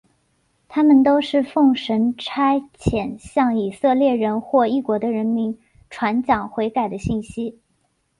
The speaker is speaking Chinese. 他们都是奉神差遣向以色列人或异国的人民传讲悔改的信息。